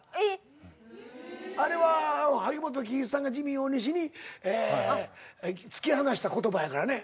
あれは萩本欽一さんがジミー大西に突き放した言葉やからね。